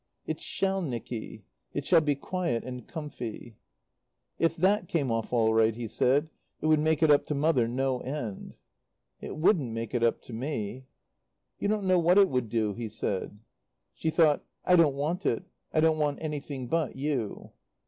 "It shall, Nicky, it shall be quiet and comfy." "If that came off all right," he said, "it would make it up to Mother no end." "It wouldn't make it up to me." "You don't know what it would do," he said. She thought: "I don't want it. I don't want anything but you."